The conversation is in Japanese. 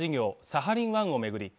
サハリン１を巡り